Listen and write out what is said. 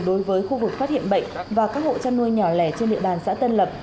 đối với khu vực phát hiện bệnh và các hộ chăn nuôi nhỏ lẻ trên địa bàn xã tân lập